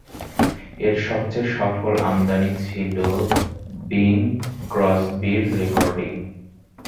এর সবচেয়ে সফল আমদানি ছিল বিং ক্রসবির রেকর্ডিং।